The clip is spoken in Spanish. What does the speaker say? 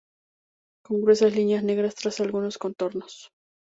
Con gruesas líneas negras traza algunos contornos.